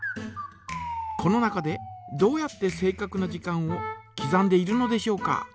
この中でどうやって正かくな時間をきざんでいるのでしょうか。